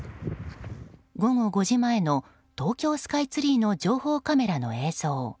午後５時前の東京スカイツリーの情報カメラの映像。